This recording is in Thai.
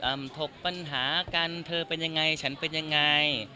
ก็จะมีคุยกันถกปัญหากันเธอเป็นยังไงฉันเป็นยังไง